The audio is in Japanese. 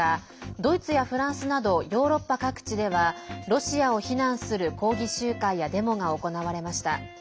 ドイツやフランスなどヨーロッパ各地ではロシアを非難する抗議集会やデモが行われました。